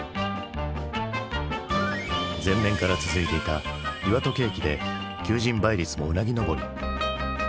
前年から続いていた岩戸景気で求人倍率もうなぎ登り。